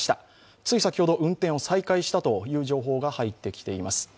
つい先ほど、運転を再開したという情報が入ってきています。